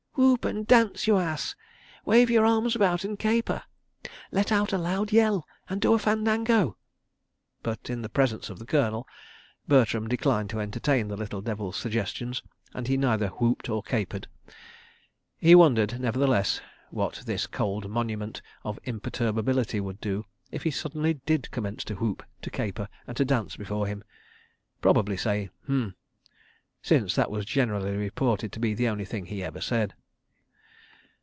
.. Whoop and dance, you Ass! ... Wave your arms about, and caper! ... Let out a loud yell, and do a fandango! ..." But in the Presence of the Colonel, Bertram declined to entertain the little devil's suggestions, and he neither whooped nor capered. He wondered, nevertheless, what this cold monument of imperturbability would do if he suddenly did commence to whoop, to caper and to dance before him. Probably say "H'm!"—since that was generally reported to be the only thing he ever said.